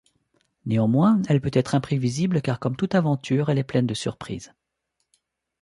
Néanmoins elle peut être imprévisible car, comme toute aventure, elle est pleine de surprises.